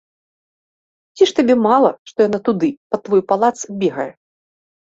Ці ж табе мала, што яна туды, пад твой палац, бегае?